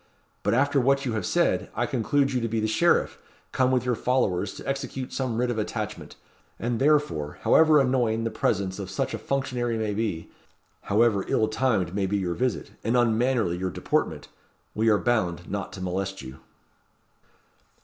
But after what you have said, I conclude you to be the sheriff, come with your followers to execute some writ of attachment; and therefore, however annoying the presence of such a functionary may be, however ill timed may be your visit, and unmannerly your deportment, we are bound not to molest you."